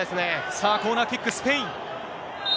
さあ、コーナーキック、スペイン。